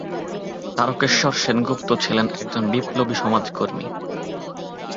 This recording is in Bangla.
তারকেশ্বর সেনগুপ্ত ছিলেন একজন বিপ্লবী সমাজকর্মী।